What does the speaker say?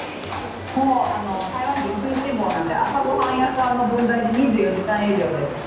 台湾人、食いしん坊なので、朝ごはん屋さんの分際で、２４時間営業です。